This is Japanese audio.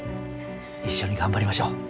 一緒に頑張りましょう。